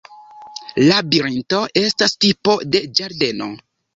Labirinto estas tipo de ĝardeno.